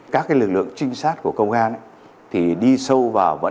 các lực lượng trinh sát của công an đi sâu vào